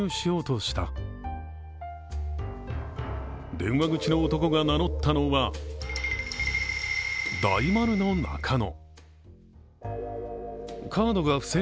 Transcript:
電話口の男が名乗ったのは、大丸のナカノ。